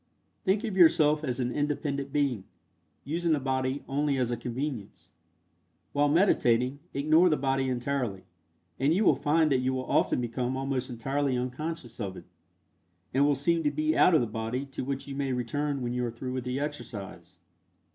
Think of yourself as an independent being, using the body only as a convenience. While meditating, ignore the body entirely, and you will find that you will often become almost entirely unconscious of it, and will seem to be out of the body to which you may return when you are through with the exercise.